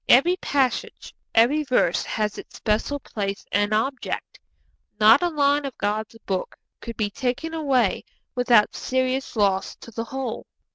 Every passage, every verse has its special place and object. Not a line of God's Book could be taken away without serious loss to the whole.